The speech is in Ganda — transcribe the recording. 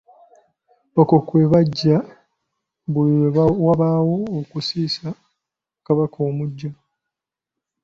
Okwo kwe baggya, buli lwe wabaawo okusisa Kabaka omuggya.